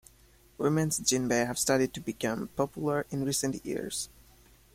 Women's "jinbei" have started to become popular in recent years.